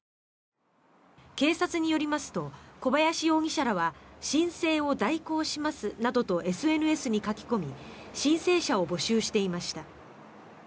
警察によりますと小林容疑者らは申請を代行しますなどとＳＮＳに書き込み申請者を募集していました。